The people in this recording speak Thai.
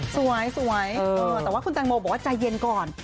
สวยแต่ว่าคุณแตงโมบอกว่าใจเย็นก่อน